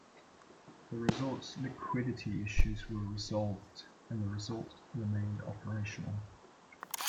The resort's liquidity issues were resolved and the resort remained operational.